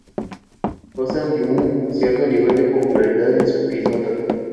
Gozan de un cierto nivel de popularidad en su país natal.